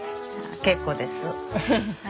結構です。